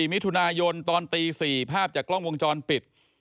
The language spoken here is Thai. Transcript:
มิถุนายนตอนตี๔ภาพจากกล้องวงจรปิด